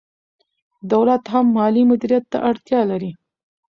دولت هم مالي مدیریت ته اړتیا لري.